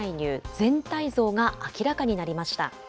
全体像が明らかになりました。